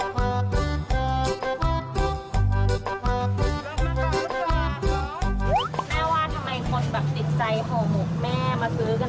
แม่ว่าทำไมคนแบบติดใจห่อหมกแม่มาซื้อกัน